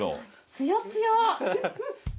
つやつや！